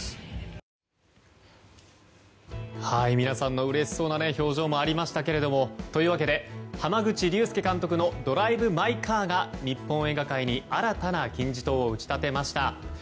皆さんのうれしそうな表情もありましたけれども濱口竜介監督の「ドライブ・マイ・カー」が日本映画界に新たな金字塔を打ち立てました。